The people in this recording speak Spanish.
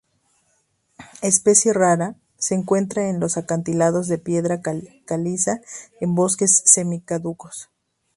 Especie rara, se encuentra en los acantilados de piedra caliza en bosques semi-caducos.